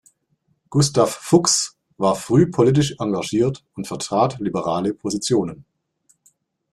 Gustav Fuchs war früh politisch engagiert und vertrat liberale Positionen.